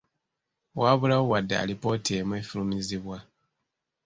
Waabulawo wadde alipoota emu efulumizibwa.